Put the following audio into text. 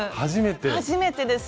初めてです。